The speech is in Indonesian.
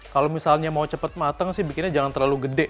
kalau misalnya mau cepat mateng sih bikinnya jangan terlalu gede